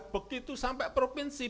begitu sampai provinsi